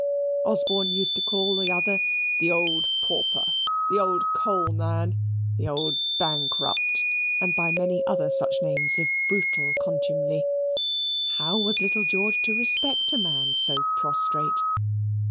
Osborne used to call the other the old pauper, the old coal man, the old bankrupt, and by many other such names of brutal contumely. How was little George to respect a man so prostrate?